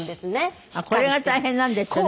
あっこれが大変なんですよね。